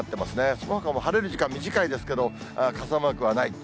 そのほかも晴れる時間短いですけど、傘マークはない。